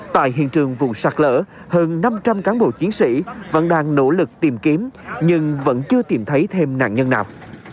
tại hiện trường vùng sạc lỡ hơn năm trăm linh cán bộ chiến sĩ vẫn đang nỗ lực tìm kiếm nhưng vẫn chưa tìm thấy thêm nạn nhân nào